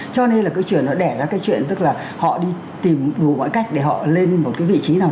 cho nên là cái trường nó đẻ ra cái chuyện tức là họ đi tìm đủ mọi cách để họ lên một cái vị trí nào